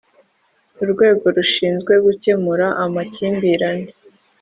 urwego rushinzwe gukemura amakimbirane.